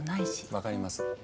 分かります。